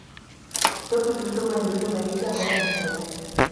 Toki gustukoen bilduma egitea komeni zaigu.